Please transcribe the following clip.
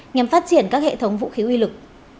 nhằm phát triển các hệ thống vũ khí uy lực